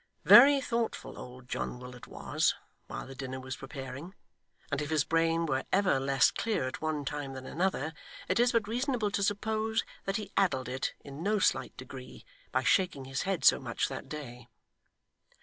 Very thoughtful old John Willet was, while the dinner was preparing; and if his brain were ever less clear at one time than another, it is but reasonable to suppose that he addled it in no slight degree by shaking his head so much that day.